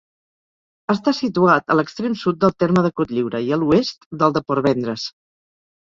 Està situat a l'extrem sud del terme de Cotlliure i a l'oest del de Portvendres.